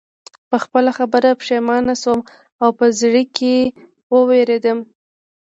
په خپله خبره پښېمانه شوم او په زړه کې ووېرېدم